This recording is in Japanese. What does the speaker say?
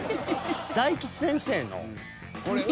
大吉先生の。